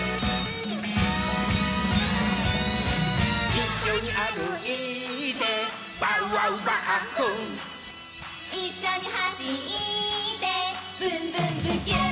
「いっしょにあるいてバウワウバッフン」「いっしょにはしってブンブンブキューン！」